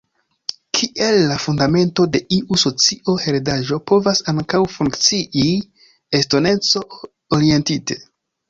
Kiel la fundamento de iu socio heredaĵo povas ankaŭ funkcii estonteco-orientite.